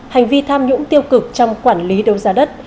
hành vi tham nhũng tiêu cực trong quản lý đấu giá đất